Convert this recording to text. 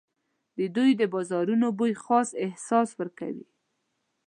د دوی د بازارونو بوی خاص احساس ورکوي.